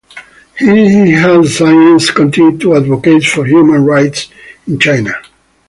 He has since continued to advocate for human rights in China.